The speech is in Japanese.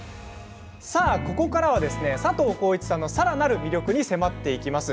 ここからは佐藤浩市さんのさらなる魅力に迫っていきます。